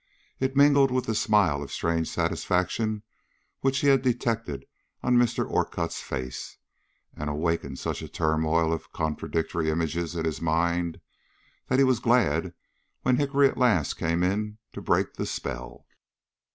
It mingled with the smile of strange satisfaction which he had detected on Mr. Orcutt's face, and awakened such a turmoil of contradictory images in his mind that he was glad when Hickory at last came in to break the spell.